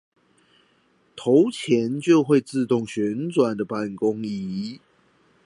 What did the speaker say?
投錢就會自動旋轉的辦公椅